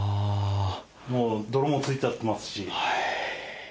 もう泥もついちゃってますし。